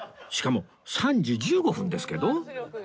しかも３時１５分ですけど！